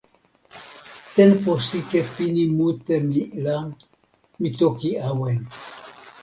tenpo sike pini mute mi la, mi toki awen.